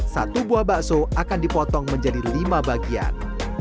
satu buah bakso akan dipotong menjadi lima bagian